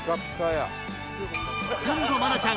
サンド愛菜ちゃん